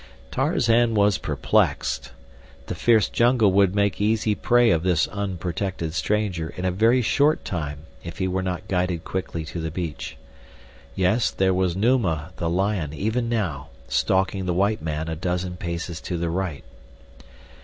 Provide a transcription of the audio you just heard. Tarzan was perplexed. The fierce jungle would make easy prey of this unprotected stranger in a very short time if he were not guided quickly to the beach. Yes, there was Numa, the lion, even now, stalking the white man a dozen paces to the right.